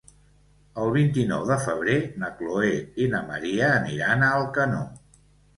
El vint-i-nou de febrer na Chloé i na Maria aniran a Alcanó.